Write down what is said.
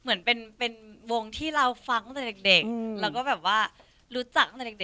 เหมือนเป็นวงที่เราฟังตั้งแต่เด็กแล้วก็แบบว่ารู้จักตั้งแต่เด็ก